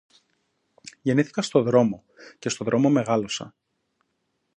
Γεννήθηκα στο δρόμο, και στο δρόμο μεγάλωσα